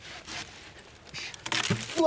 うわ！